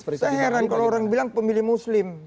saya heran kalau orang bilang pemilih muslim